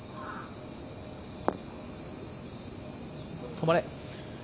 止まれ。